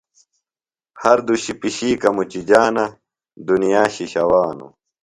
ہر دُشی پِشِیکہ مُچِجانہ۔ دنیا شِشہ وانوۡ۔